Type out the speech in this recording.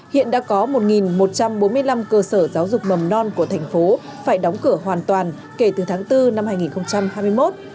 hiện đã có một một trăm bốn mươi năm cơ sở giáo dục mầm non của thành phố phải đóng cửa hoàn toàn kể từ tháng bốn năm hai nghìn hai mươi một